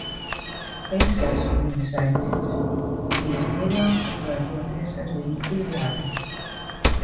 Es esmu viņa saimniece. Vienīgā, kas var doties ar viņu izjādē.